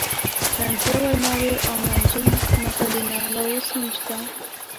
طنزیه ویناوې او منظوم متلونه لا اوس هم شته.